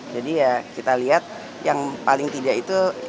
jadi ya kita lihat yang paling tidak itu